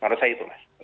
menurut saya itu mas